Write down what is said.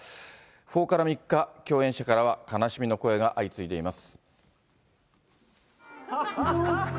訃報から３日、共演者からは悲しみの声が相次いでいます。